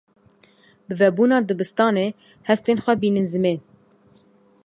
Bi vebûna dibistanê, hestên xwe bînin zimên.